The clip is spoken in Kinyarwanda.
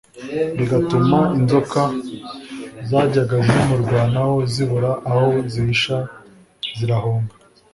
bigatuma inzoka zajyaga zimurwanaho zibura aho zihisha zirahunga